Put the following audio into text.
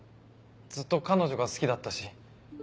ずっと彼女が好きだったし。